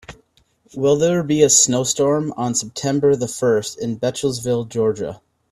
Will there be a snowstorm on september the first in Bechtelsville Georgia?